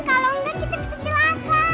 kalau enggak kita bisa celaka